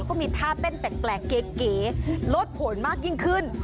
ก็มีท่าเต้นแปลกเก๋ลดผลมากยิ่งขึ้น